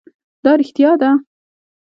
دا رښتیا ده